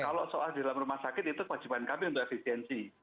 kalau soal di dalam rumah sakit itu kewajiban kami untuk efisiensi